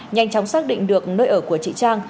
nhanh chóng xác định được nơi ở của chị trang